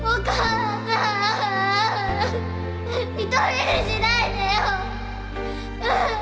一人にしないでよ！